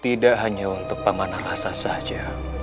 tidak hanya untuk pamanah rasa saja